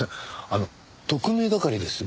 あの特命係です。